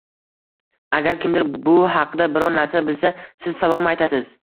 Agar kimdir bu haqda biror narsa bilsa, siz salom aytasiz